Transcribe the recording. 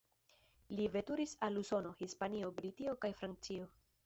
Li veturis al Usono, Hispanio, Britio kaj Francio.